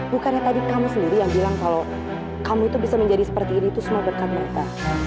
bukannya tadi kamu sendiri yang bilang kalau kamu itu bisa menjadi seperti ini itu semua berkat mereka